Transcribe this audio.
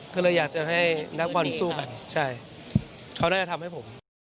ก็เลยอยากจะให้นักบอลสู้กันใช่เขาน่าจะทำให้ผม